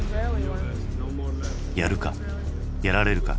やるかやられるか